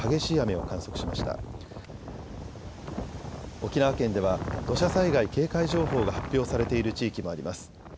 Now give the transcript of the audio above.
沖縄県では土砂災害警戒情報が発表されている地域もあります。